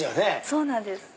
そうなんです。